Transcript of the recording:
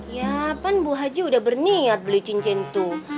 ya kan bu haji udah berniat beli cincin tuh